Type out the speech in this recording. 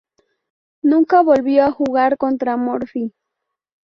Nunca volvió a jugar contra Morphy.